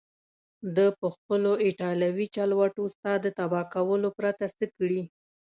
ده پخپلو ایټالوي چلوټو ستا د تباه کولو پرته څه کړي.